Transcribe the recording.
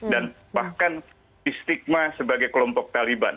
dan bahkan istigma sebagai kelompok taliban